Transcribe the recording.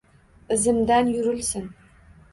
— Izimdan yurilsin!